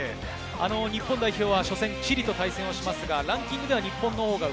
日本代表は初戦でチリと戦いますがランキングは日本の方が上。